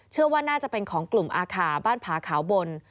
เชื่อว่าน่าจะเป็นของกลุ่มอาคาบ้านผาขาวบน